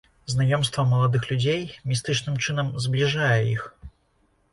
Знаёмства маладых людзей містычным чынам збліжае іх.